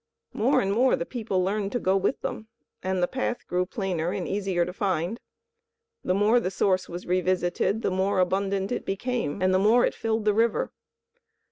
More and more the people learned to go with them, and the path grew plainer and easier to find. The more the Source was revisited, the more abundant it became, and the more it filled the river.